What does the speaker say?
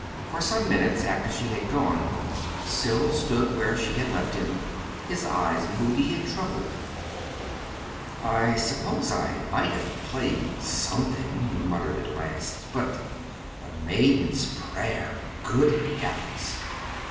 For some minutes after she had gone, Cyril stood where she had left him, his eyes moody and troubled. "I suppose I might have played something," he muttered at last; "but 'The Maiden's Prayer'! good heavens!"